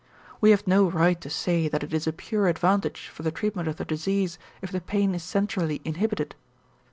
We have no right to say that it is a pure advantage for the treatment of the disease if the pain is centrally inhibited.